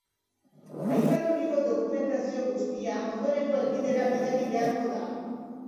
Aipaturiko dokumentazio guztia ondorengo helbidera bidali beharko da.